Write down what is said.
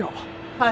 はい！